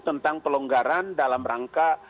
tentang pelonggaran dalam rangka